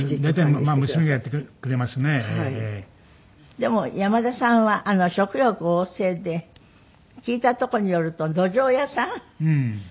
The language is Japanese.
でも山田さんは食欲旺盛で聞いたとこによるとどじょう屋さん？